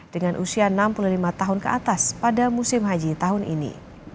dengan usia enam puluh lima tahun ke atas pada musim haji tahun ini